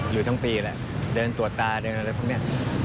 อยู่ทั้งปีแหละเดินตรวจตาเดินอะไรพวกนี้